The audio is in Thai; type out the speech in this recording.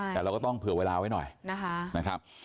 แต่เราก็ต้องเผื่อเวลาไว้หน่อยนะครับ